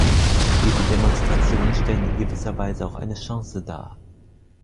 Diese Demonstrationen stellen in gewisser Weise auch eine Chance dar.